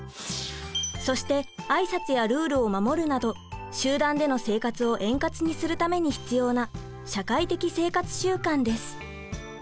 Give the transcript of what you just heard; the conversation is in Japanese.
そして挨拶やルールを守るなど集団での生活を円滑にするために必要な社会的生活習慣です。